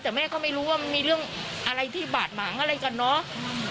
แต่แม่ก็ไม่รู้ว่ามันมีเรื่องอะไรที่บาดหมางอะไรกันเนาะ